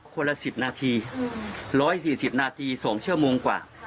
คนละสิบนาทีร้อยสี่สิบนาทีสองเชื่อมงกว่า